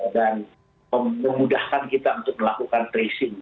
dan memudahkan kita untuk melakukan tracing